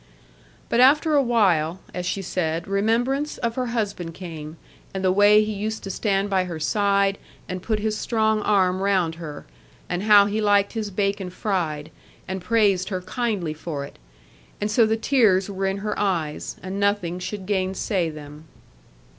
But after a little while, as she said, remembrance of her husband came, and the way he used to stand by her side and put his strong arm round her, and how he liked his bacon fried, and praised her kindly for it and so the tears were in her eyes, and nothing should gainsay them.